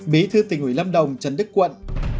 bí thư tỉnh uy lâm đồng trần đức quận